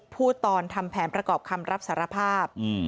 พูดตอนทำแผนประกอบคำรับสารภาพ